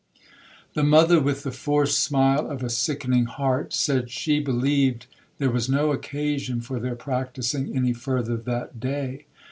'The mother, with the forced smile of a sickening heart, said she believed there was no occasion for their practising any further that day.